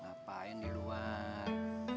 ngapain di luar